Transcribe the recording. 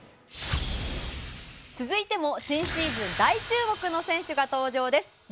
続いても新シーズン大注目の選手が登場です。